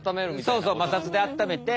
そうそう摩擦であっためて。